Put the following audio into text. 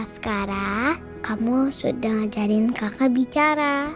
sekarang kamu sudah ngajarin kakak bicara